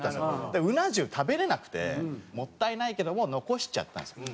だからうな重食べれなくてもったいないけども残しちゃったんですよ。